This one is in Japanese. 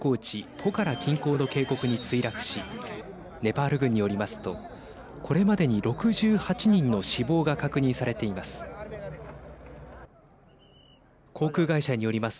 ポカラ近郊の渓谷に墜落しネパール軍によりますとこれまでに６８人の死亡が確認されています。